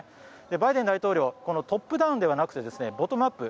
バイデン大統領はトップダウンではなくてボトムアップ。